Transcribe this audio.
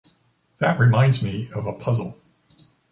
That reminds me of a puzzle.